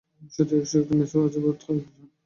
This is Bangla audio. সতীশের একটি মেসো আছে, বোধ হয জান।